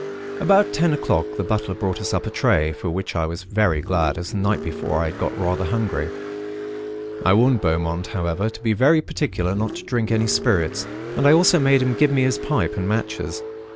"About ten o'clock, the butler brought us up a tray; for which I was very glad; as the night before I had got rather hungry. I warned Beaumont, however, to be very particular not to drink any spirits, and I also made him give me his pipe and matches.